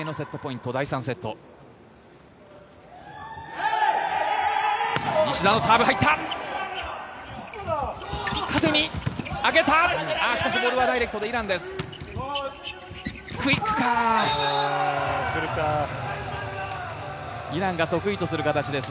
しかしボールはダイレクトでイランです。